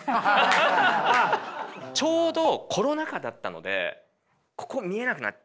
ちょうどコロナ禍だったのでここ見えなくなっちゃう。